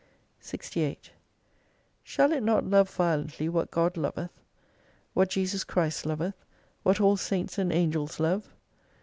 68 Shall it not love violently what God loveth, what Jesus Christ loveth, what all Saints and Angels love